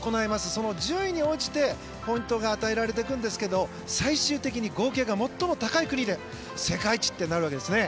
その順位に応じてポイントが与えられていくんですが最終的に合計が最も高い国が世界一となるわけですね。